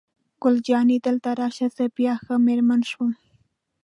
ګل جانې: دلته راشه، زه بیا ښه مېرمن شوم.